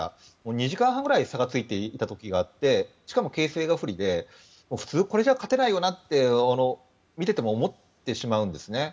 ２時間半くらい差がついていた時があってしかも形勢が不利で普通、これじゃ勝てないよなと見ていても思ってしまうんですね。